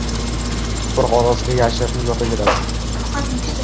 Tuproq orasiga yashirinib yotaveradi.